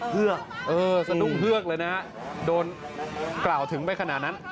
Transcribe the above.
เฮือกเออสะดุ้งเฮือกเลยนะฮะโดนกล่าวถึงไปขนาดนั้น